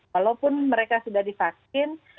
walaupun mereka sudah divaksin